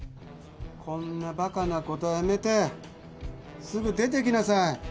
こんなバカなことやめてすぐ出てきなさい。